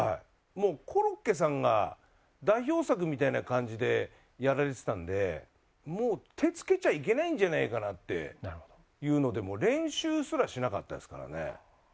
もうコロッケさんが代表作みたいな感じでやられてたんでもう手つけちゃいけないんじゃないかなっていうのでもう練習すらしなかったですからね。